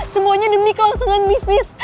semuanya demi kelangsungan bisnis